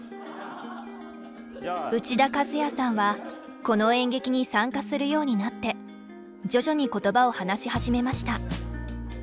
内田一也さんはこの演劇に参加するようになって徐々に言葉を話し始めました。